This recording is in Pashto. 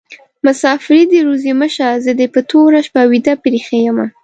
مسافري دي روزي مشه: زه دي په توره شپه ويده پریښي يمه